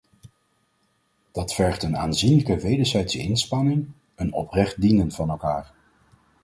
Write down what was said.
Dat vergt een aanzienlijke wederzijdse inspanning, een oprecht dienen van elkaar.